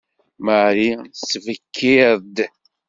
Marie tettbekkiṛ-d.